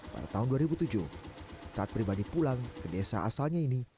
pada tahun dua ribu tujuh taat pribadi pulang ke desa asalnya ini